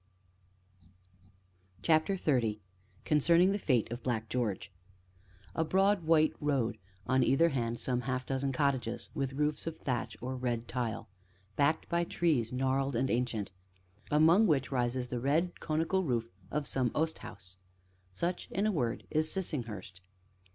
CHAPTER XXX CONCERNING THE FATE OF BLACK GEORGE A broad, white road; on either hand some half dozen cottages with roofs of thatch or red tile, backed by trees gnarled and ancient, among which rises the red conical roof of some oast house. Such, in a word, is Sissinghurst.